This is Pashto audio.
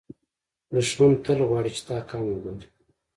دښمن تل غواړي چې تا کم وګوري